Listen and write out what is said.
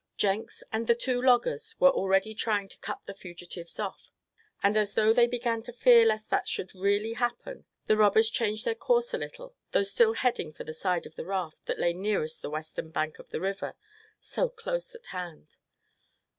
Jenks and the two loggers were already trying to cut the fugitives off, and as though they began to fear lest that should really happen the robbers changed their course a little, though still heading for the side of the raft that lay nearest the western bank of the river, so close at hand.